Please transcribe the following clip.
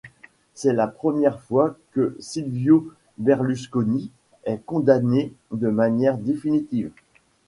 C'est la première fois que Silvio Berlusconi est condamné de manière définitive.